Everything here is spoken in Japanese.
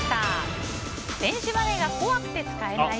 電子マネーが怖くて使えない？